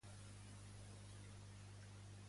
Qui es creia que era Ucalegont segons una altra tradició?